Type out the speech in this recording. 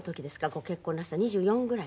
ご結婚なすった２４ぐらい？